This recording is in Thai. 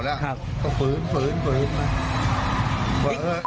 มันฝืนมา